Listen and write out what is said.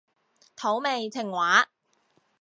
土味情話